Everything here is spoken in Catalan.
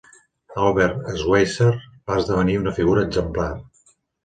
Albert Schweitzer va esdevenir una figura exemplar.